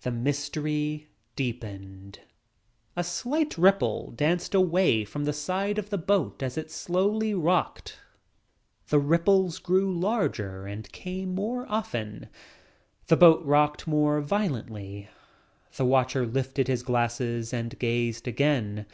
The mystery deepened. A slight ripple danced away from the side of the boat as it slowly rocked. The ripples grew larger and came more often. The boat rocked more violently. The watcher lifted his glasses and gazed again.